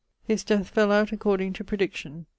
His death fell out according to prediction.